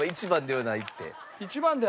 １番ではないって。